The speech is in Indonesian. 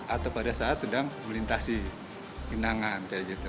atau pada saat sedang melintasi penanganan